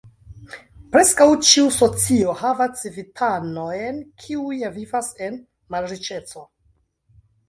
Preskaŭ ĉiu socio havas civitanojn kiuj vivas en malriĉeco.